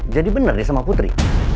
jadi bener deh sama putri